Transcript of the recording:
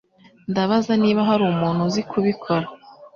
Ndabaza niba hari umuntu uzi kubikora.